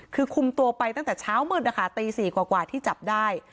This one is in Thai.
คือคุมตัวไปตั้งแต่เช้ามืดนะคะตี๔กว่าที่จับได้